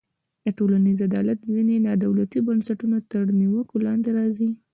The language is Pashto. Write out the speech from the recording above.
د ټولنیز عدالت ځینې نا دولتي بنسټونه تر نیوکو لاندې راځي.